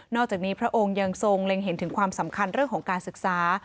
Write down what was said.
อกจากนี้พระองค์ยังทรงเล็งเห็นถึงความสำคัญเรื่องของการศึกษา